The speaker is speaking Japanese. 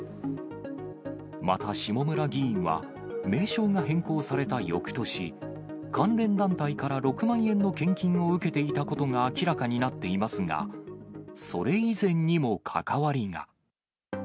また下村議員は、名称が変更されたよくとし、関連団体から６万円の献金を受けていたことが明らかになっていますが、それ以前にも関わりが。